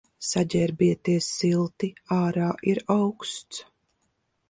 Saģērbieties silti, ārā ir auksts.